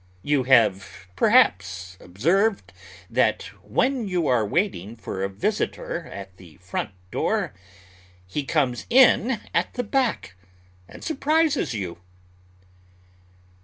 You have perhaps observed that when you are waiting for a visitor at the front door, he comes in at the back, and surprises you.